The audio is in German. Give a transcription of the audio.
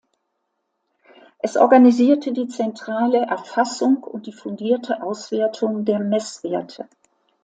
Es organisierte die zentrale Erfassung und die fundierte Auswertung der Messwerte.